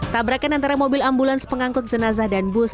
tabrakan antara mobil ambulans pengangkut jenazah dan bus